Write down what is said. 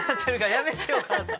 やめてよお母さん。